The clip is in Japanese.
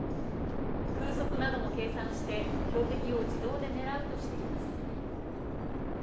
風速なども計算して標的を自動で狙うとしています。